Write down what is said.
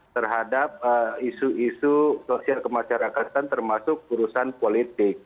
terhadap isu isu sosial kemasyarakatan termasuk urusan politik